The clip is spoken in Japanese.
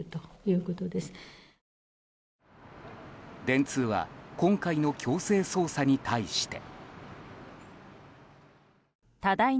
電通は今回の強制捜査に対して。